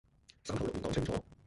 三口六面講清楚